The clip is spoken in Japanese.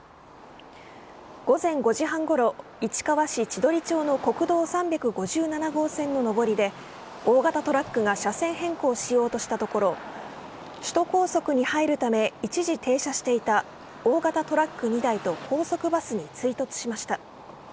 午前５時半ごろ市川市千鳥町の国道３５７号線の上りで大型トラックが車線変更しようとしたところ首都高速に入るため一時停車していた大型トラック２台と高速バスに追突しました。